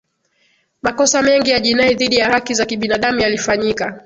makosa mengi ya jinai dhidi ya haki za kibinadamu yalifanyika